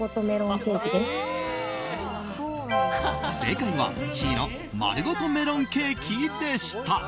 正解は、Ｃのまるごとメロンケーキでした！